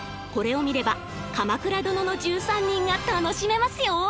これを見れば「鎌倉殿の１３人」が楽しめますよ。